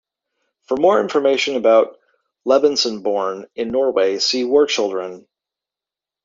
For more information about "Lebensborn" in Norway, see war children.